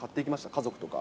家族とか。